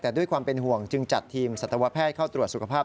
แต่ด้วยความเป็นห่วงจึงจัดทีมสัตวแพทย์เข้าตรวจสุขภาพ